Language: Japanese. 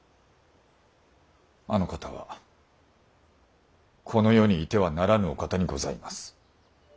あの方はこの世にいてはならぬお方にございます。